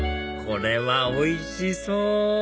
これはおいしそう！